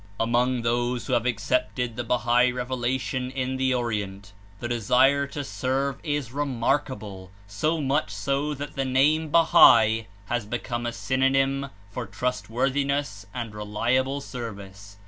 Among those who have accepted the Bahai Reve lation in the Orient, the desire to serve is remarkable, so much so that the name Bahai has become a synonym for trustworthiness and reliable service.